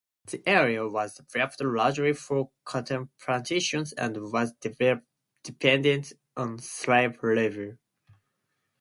The area was developed largely for cotton plantations and was dependent on slave labor.